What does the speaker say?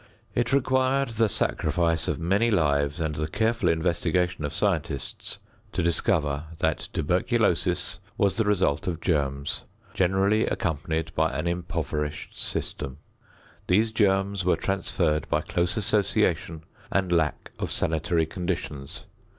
It required the sacrifice of many lives and the careful investigation of scientists to discover that tuberculosis was the result of germs, generally accompanied by an impoverished system. These germs were transferred by close association and lack of sanitary conditions.